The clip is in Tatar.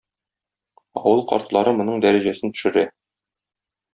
Авыл картлары моның дәрәҗәсен төшерә.